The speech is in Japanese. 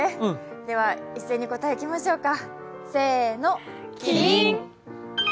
では一斉に答えいきましょうか。